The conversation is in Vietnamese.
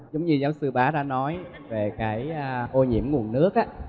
giống như giáo sư bá đã nói về cái ô nhiễm nguồn nước